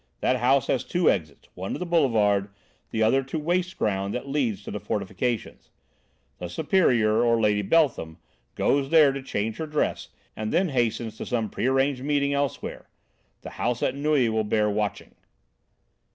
That house has two exits; one to the Boulevard, the other to waste ground that leads to the fortifications. The Superior, or Lady Beltham, goes there to change her dress, and then hastens to some prearranged meeting elsewhere. The house at Neuilly will bear watching."